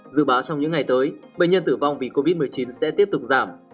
dự báo trong những ngày tới bệnh nhân tử vong vì covid một mươi chín sẽ tiếp tục giảm